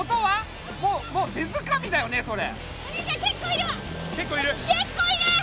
もうもう手づかみだよねそれ。